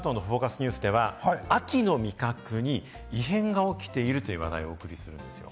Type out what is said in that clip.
ニュースでは、秋の味覚に異変が起きているという話題をお送りするんですよ。